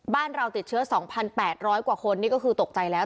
บ้านเราติดเชื้อ๒๘๐๐กว่าคนนี่ก็คือตกใจแล้ว